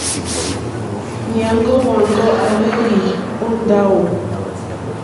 Nyàŋgo wàŋgo à hwelì o ndawò?